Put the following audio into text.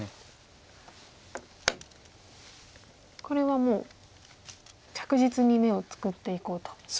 これはもう着実に眼を作っていこうと。